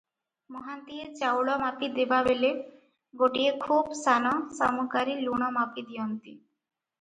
ମହାନ୍ତିଏ ଚାଉଳ ମାପି ଦେବାବେଳେ ଗୋଟିଏ ଖୁବ ସାନ ଶାମୁକାରେ ଲୁଣ ମାପି ଦିଅନ୍ତି ।